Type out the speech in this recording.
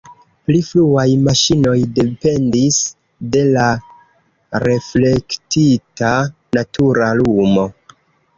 Pli fruaj maŝinoj dependis de la reflektita natura lumo.